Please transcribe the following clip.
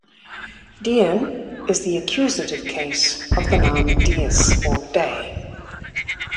"Diem" is the accusative case of the noun "dies" "day".